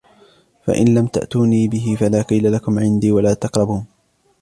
فَإِنْ لَمْ تَأْتُونِي بِهِ فَلَا كَيْلَ لَكُمْ عِنْدِي وَلَا تَقْرَبُونِ